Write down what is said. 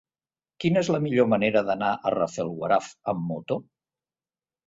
Quina és la millor manera d'anar a Rafelguaraf amb moto?